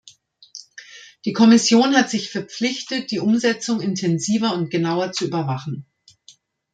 Die Kommission hat sich verpflichtet, die Umsetzung intensiver und genauer zu überwachen.